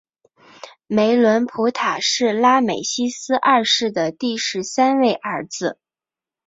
梅伦普塔是拉美西斯二世的第十三位儿子。